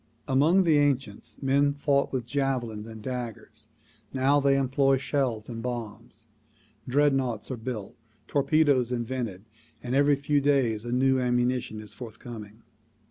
Among the ancients men fought with javelins and daggers; now they employ shells and bombs. Dreadnoughts are built, tor pedoes invented and every few days a new ammunition is forth coming.